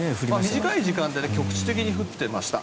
短い時間で局地的に降っていました。